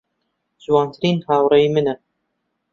جوانترین هاوڕێی منە.